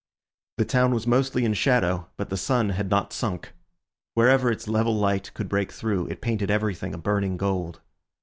The town was mostly in shadow, but the sun had not sunk; wherever its level light could break through, it painted everything a burning gold.